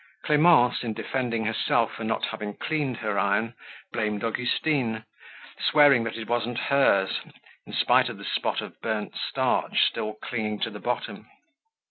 Clemence, in defending herself for not having cleaned her iron, blamed Augustine, swearing that it wasn't hers, in spite of the spot of burned starch still clinging to the bottom.